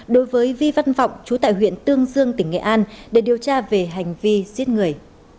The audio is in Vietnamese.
đối với vi văn vọng chú tại huyện tương dương tỉnh nghệ an để điều tra về hành vi giết người